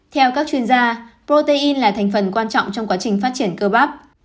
theo các chuyên gia protein là thành phần quan trọng trong quá trình phát triển cơ bắp